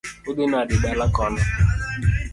Udhi nade dala kono?